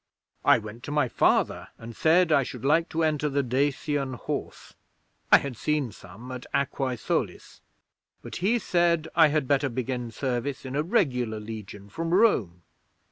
I went to my Father, and said I should like to enter the Dacian Horse (I had seen some at Aquae Solis); but he said I had better begin service in a regular Legion from Rome.